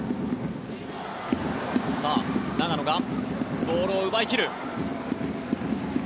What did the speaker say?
長野がボールを奪い切る。